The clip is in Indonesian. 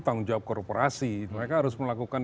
tanggung jawab korporasi mereka harus melakukan